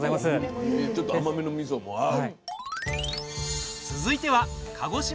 ちょっと甘めのみそも合う。